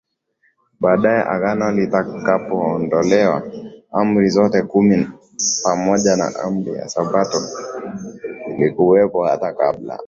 baadaye agano litakapoondolewa Amri zote Kumi pamoja na Amri ya Sabato zilikuwepo hata kabla